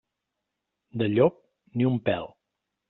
Del llop, ni un pèl.